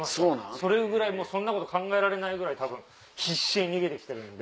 それぐらいもうそんなこと考えられないぐらいたぶん必死に逃げて来てるんで。